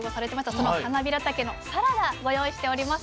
そのはなびらたけのサラダご用意しております。